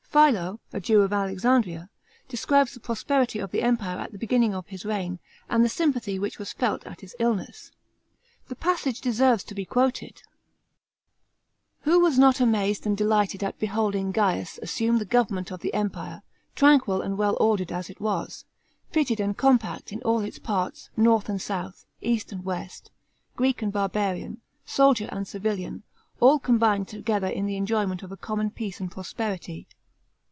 Philo, a Jew of Alexandria, describes the prosperity of ;he Eimire at the beginning of his reign and the sympathy which was felt at his illness. The passage 4°iserves to be quoted:* "Who was not amazed and delighted at beholding Gaius assnme the government of the Empire, tranquil and well ordered as it was, fitted and compact in all its pa.ts, north and south, east and west, Greek and barbarian, soldier and civilian, all combined tog ther in the enjoyment of a common peace and prosperity